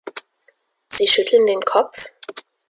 Sie schütteln den Kopf?